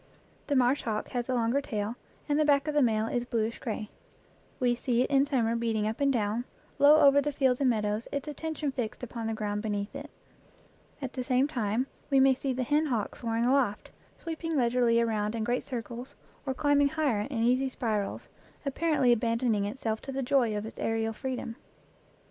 The marsh hawk has the longer tail, and the back of the male is bluish gray. We see it in summer beating up and down, low over the fields and meadows, its attention fixed upon the ground beneath it. At the same time we may see the hen hawk soaring aloft, sweeping leisurely around in great circles, or climbing higher in easy spirals, ap parently abandoning itself to the joy of its aerial freedom.